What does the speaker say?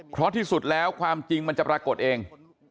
เพราะที่สุดแล้วความจริงมันจะปรากฏเอง